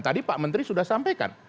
tadi pak menteri sudah sampaikan